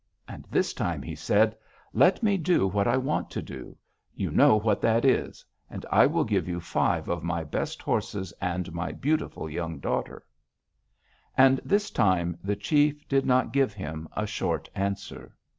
And this time he said: 'Let me do what I want to do; you know what that is; and I will give you five of my best horses and my beautiful young daughter.' "And this time the chief did not give him a short answer.